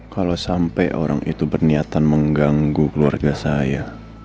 kalau sampai orang itu berniatan mengganggu keluarga saya